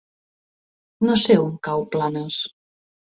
No sé on cau Planes.